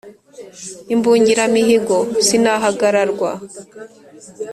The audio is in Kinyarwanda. imbungiramihigo sinahagararwa